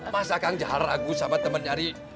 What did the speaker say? masa kang jahar ragu sama temen nyari